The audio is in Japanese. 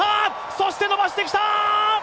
そして伸ばしてきた！